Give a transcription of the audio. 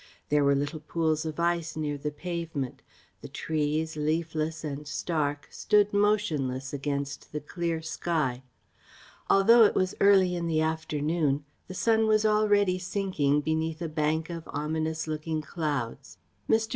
There were little pools of ice near the pavement, the trees, leafless and stark, stood motionless against the clear sky. Although it was early in the afternoon the sun was already sinking beneath a bank of ominous looking clouds. Mr.